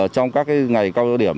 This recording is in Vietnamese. trong các ngày cao độ điểm